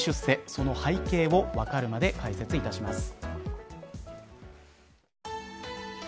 その背景をわかるまで解説いたします。